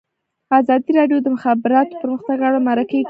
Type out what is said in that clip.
ازادي راډیو د د مخابراتو پرمختګ اړوند مرکې کړي.